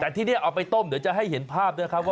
แต่ที่นี่เอาไปต้มเดี๋ยวจะให้เห็นภาพด้วยครับว่า